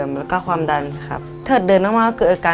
โปรดติดตามต่อไป